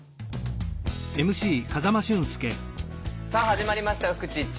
さあ始まりました「フクチッチ」。